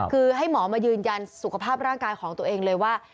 คือให้หมอมายืนยันสุขภาพร่างกายของตัวเองเลยว่า